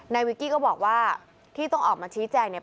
วิกกี้ก็บอกว่าที่ต้องออกมาชี้แจงเนี่ย